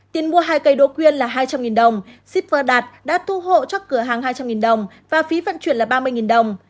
tiền mua hai cây đỗ quyên là hai trăm linh đồng shipper đạt đã thu hộ cho cửa hàng hai trăm linh đồng và phí vận chuyển là ba mươi đồng